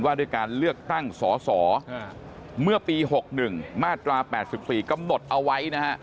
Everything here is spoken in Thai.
ด้วยการเลือกตั้งสสเมื่อปี๖๑มาตรา๘๔กำหนดเอาไว้นะฮะ